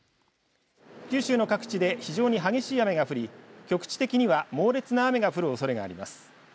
九州の各地で非常に激しい雨が降り局地的には猛烈な雨が降るおそれがあります。